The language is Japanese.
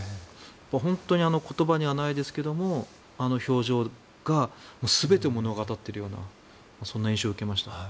本当に言葉にはないですがあの表情が全てを物語っているようなそんな印象を受けました。